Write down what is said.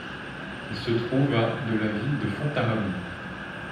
Il se trouve à de la ville de Fontarrabie.